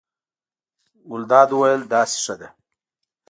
ګلداد وویل: داسې ښه دی.